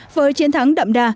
với chiến thắng đậm đà